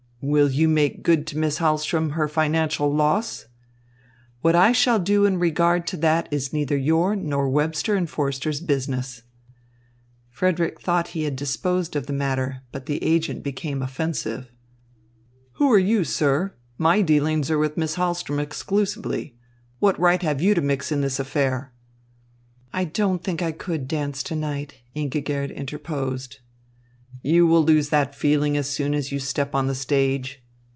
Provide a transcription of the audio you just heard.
"Will you make good to Miss Hahlström her financial loss?" "What I shall do in regard to that is neither your nor Webster and Forster's business." Frederick thought he had disposed of the matter, but the agent became offensive. "Who are you, sir? My dealings are with Miss Hahlström exclusively. What right have you to mix in this affair?" "I don't think I could dance to night," Ingigerd interposed. "You will lose that feeling as soon as you step on the stage.